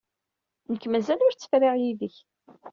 Nekk mazal ur tt-friɣ yid-k.